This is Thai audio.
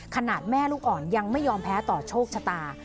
ขนาดแม่ลูกอ่อนยังไม่ยอมแพ้ต่อโชคชะตา